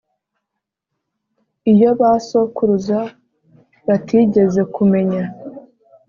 iyo ba sokuruza batigeze kumenya,